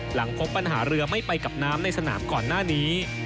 หลังพบปัญหาเรือไม่ไปกับน้ำในสนามก่อนหน้านี้